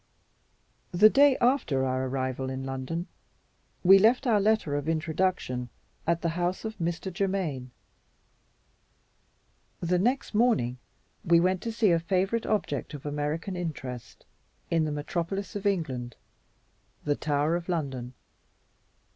The day after our arrival in London, we left our letter of introduction at the house of Mr. Germaine. The next morning we went to see a favorite object of American interest, in the metropolis of England the Tower of London.